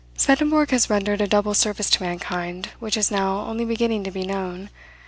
Swedenborg has rendered a double service to mankind, which is now only beginning to be known.